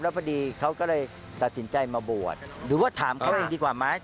พอดีเขาก็เลยตัดสินใจมาบวชหรือว่าถามเขาเองดีกว่าไหม